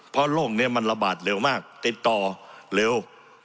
เพราะโรคนี้มันระบาดเร็วมากติดต่อเร็ว